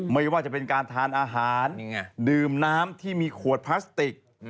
ไม่ว่าจะเป็นการทานอาหารดื่มน้ำที่มีขวดพลาสติก